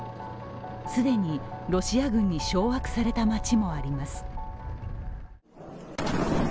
既にロシア軍に掌握された街もあります。